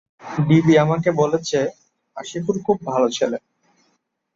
DB আমাকে বলেছে, আশিকুর খুব ভালো ছেলে।